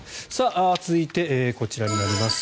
続いてこちらになります。